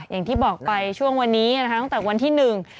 อย่างที่บอกไปช่วงวันนี้นะคะตั้งแต่วันที่หนึ่ง